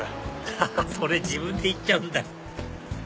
ハハハそれ自分で言っちゃうんだ